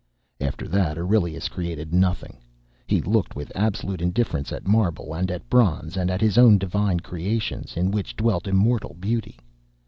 After that Aurelius created nothing. He looked with absolute indifference at marble and at bronze and at his own divine creations, in which dwelt immortal beauty.